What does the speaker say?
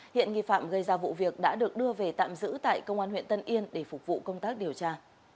hiện nghi phạm gây ra vụ việc đã được đưa về tạm giữ tại công an huyện tân yên để phục vụ công tác điều tra